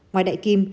ngoài đại kim